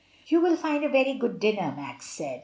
"You will find a very good dinner," Max said.